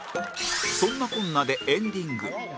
そんなこんなでエンディング